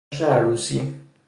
جشن عروسی